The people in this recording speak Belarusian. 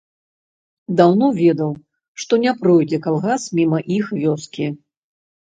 Даўно ведаў, што не пройдзе калгас міма іх вёскі.